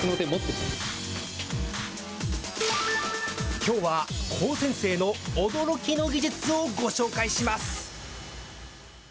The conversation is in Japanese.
きょうは高専生の驚きの技術をご紹介します。